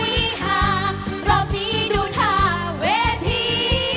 ฮุยฮาฮุยฮารอบนี้ดูทางเวที